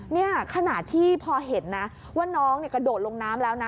นี่ขณะที่พอเห็นนะว่าน้องกระโดดลงน้ำแล้วนะ